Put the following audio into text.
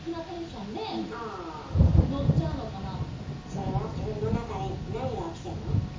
それは自分の中で何が起きてるの？